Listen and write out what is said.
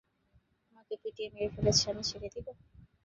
আমাকে পিটিয়ে মেরে ফেলেছে, আমি ছেড়ে দেব?